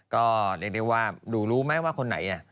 ก็เรียกได้ว่าดูรู้ไหมว่าคนไหน